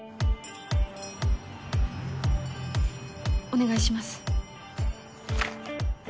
お願いします。